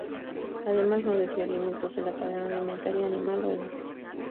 Además no desvía alimentos de la cadena alimentaria animal o humana.